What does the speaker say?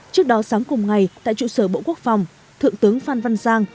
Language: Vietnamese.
trước đó sáng cùng ngày tại trụ sở bộ quốc phòng thượng tướng phan văn giang